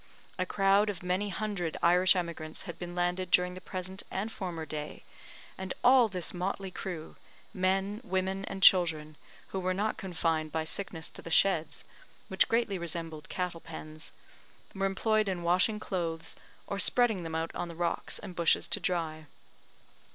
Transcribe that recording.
A crowd of many hundred Irish emigrants had been landed during the present and former day; and all this motley crew men, women, and children, who were not confined by sickness to the sheds (which greatly resembled cattle pens) were employed in washing clothes, or spreading them out on the rocks and bushes to dry.